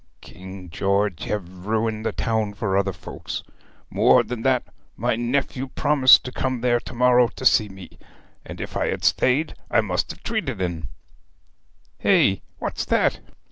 King George hev' ruined the town for other folks. More than that, my nephew promised to come there to morrow to see me, and if I had stayed I must have treated en. Hey what's that?'